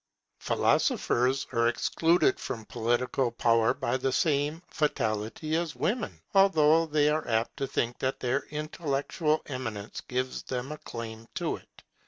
Philosophers are excluded from political power by the same fatality as women, although they are apt to think that their intellectual eminence gives them a claim to it.